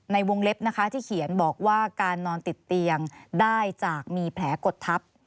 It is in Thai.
ในวงเล็บนะคะที่เขียนบอกว่าการนอนติดเตียงได้จากมีแผลกดทับ